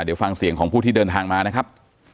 เดี๋ยวฟังเสียงของผู้ที่เดินทางมานะครับ